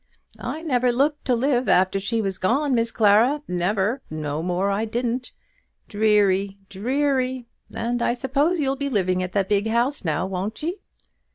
"I never looked to live after she was gone, Miss Clara; never. No more I didn't. Deary; deary! And I suppose you'll be living at the big house now; won't ye?"